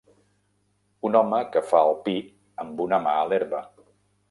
Un home que fa el pi amb una ma a l'herba.